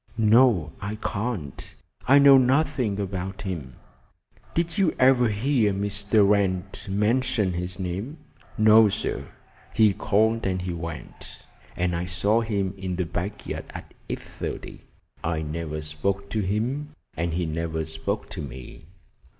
"No, I can't. I know nothing about him." "Did you ever hear Mr. Wrent mention his name?" "No, sir. He called and he went, and I saw him in the back yard at 8.30. I never spoke to him, and he never spoke to me."